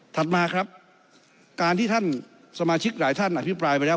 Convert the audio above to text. มาครับการที่ท่านสมาชิกหลายท่านอภิปรายไปแล้ว